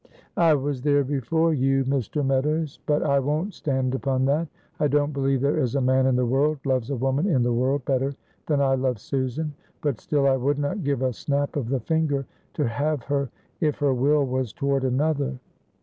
"I was there before you, Mr. Meadows but I won't stand upon that; I don't believe there is a man in the world loves a woman in the world better than I love Susan; but still I would not give a snap of the finger to have her if her will was toward another.